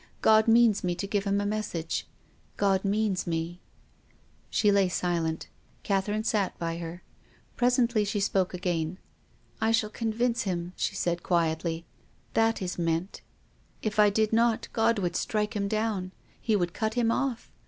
" God means me to give him a message — God means me." She lay silent ; Catherine sat by her. Presently she spoke again. " I shall convince him," she said quietly. " That is meant. If I did not God would strike him down. He would be cut off.